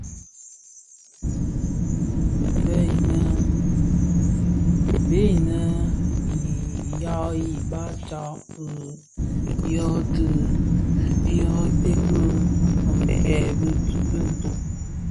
Bèè inë ù yaghii, baà tsad bi yô tikerike bì ntó.